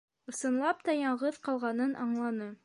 Ысынлап та яңғыҙ ҡалғанын аңланы.